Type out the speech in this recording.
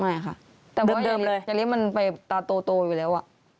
ไม่ค่ะแต่ยาริสมันไปตาโตอยู่แล้ว